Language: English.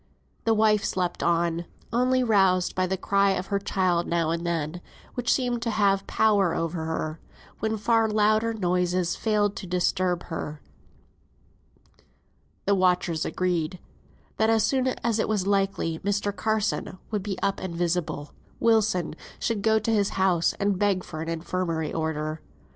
The wife slept on, only roused by a cry of her child now and then, which seemed to have power over her, when far louder noises failed to disturb her. The watchers agreed, that as soon as it was likely Mr. Carson would be up and visible, Wilson should go to his house, and beg for an Infirmary order.